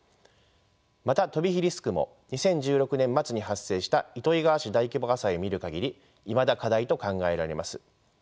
また飛び火リスクも２０１６年末に発生した糸魚川市大規模火災を見る限りいまだ課題と考えられます。